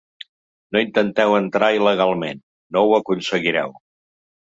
No intenteu entrar il·legalment, no ho aconseguireu.